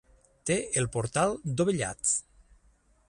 Té el portal dovellat.